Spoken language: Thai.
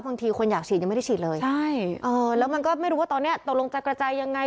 บางทีคนอยากฉีดยังไม่ได้ฉีดเลยใช่เออแล้วมันก็ไม่รู้ว่าตอนเนี้ยตกลงจะกระจายยังไง